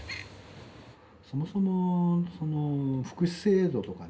そもそもその福祉制度とかね。